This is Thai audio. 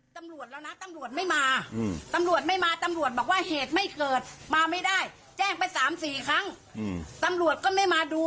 ตำรวจแล้วนะตำรวจไม่มาตำรวจไม่มาตำรวจบอกว่าเหตุไม่เกิดมาไม่ได้แจ้งไป๓๔ครั้งตำรวจก็ไม่มาดู